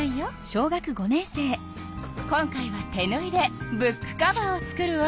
今回は手ぬいでブックカバーを作るわ。